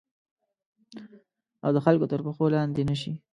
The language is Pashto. او د خلګو تر پښو لاندي نه شي